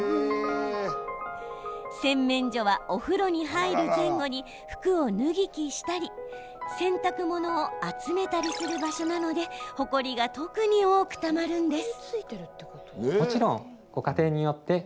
洗面所は、お風呂に入る前後に服を脱ぎ着したり洗濯物を集めたりする場所なのでほこりが特に多くたまるんです。